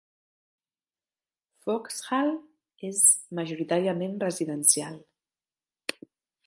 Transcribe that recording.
Foxhall és majoritàriament residencial.